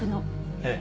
ええ。